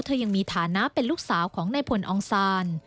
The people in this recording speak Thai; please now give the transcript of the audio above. เธอยังมีฐานะเป็นลูกสาวของนายพลองซาน